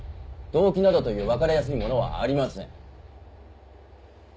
動機などという分かりやすいものはありません。